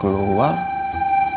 kalau saya ikut keluar